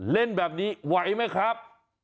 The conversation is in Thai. เล่นแบบนี้ไหวไหมครับ